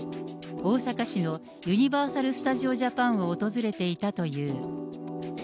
大阪市のユニバーサル・スタジオ・ジャパンを訪れていたという。